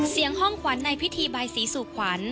เสียงห้องขวานในพิธีใบศรีสุขวาน